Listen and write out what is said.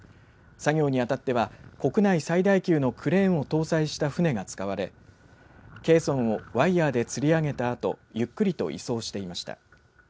作業にあたっては国内最大級のクレーンを搭載した船が使われケーソンをワイヤーでつり上げたあとゆっくりと移送していました。